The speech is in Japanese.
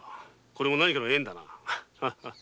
これも何かの縁だなハハハ。